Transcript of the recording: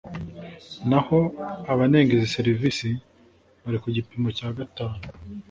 naho abanenga izi serivisi bari ku gipimo cya gatanu